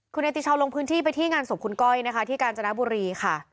คุณเนติชาวลงพื้นที่ไปที่งานศพคุณก้อยนะคะที่กาญจนบุรีค่ะ